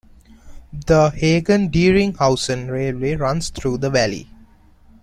The Hagen-Dieringhausen railway runs through the valley.